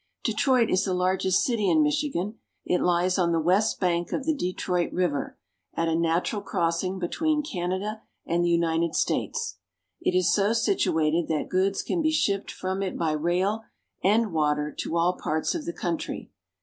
Detroit is the largest city in Michigan. It lies on the west bank of the Detroit River, at a natural crossing be tween Canada and the United States. It is so situated that goods can be shipped from it by rail and water to all parts of the country.